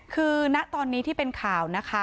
คือณตอนนี้ที่เป็นข่าวนะคะ